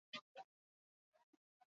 Gai ekonomikoetan akordio zabalak daude.